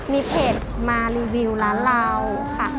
มีเพจมารีวิวร้านเราค่ะ